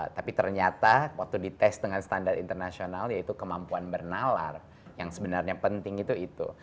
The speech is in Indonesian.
tapi ternyata waktu dites dengan standar internasional yaitu kemampuan bernalar yang sebenarnya penting itu itu